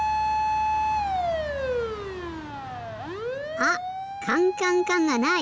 あっ「かんかんかん」がない！